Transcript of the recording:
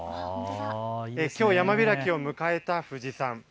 きょう山開きを迎えた富士山。